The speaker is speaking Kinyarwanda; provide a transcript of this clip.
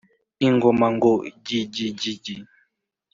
Ingoma ngo gigigigi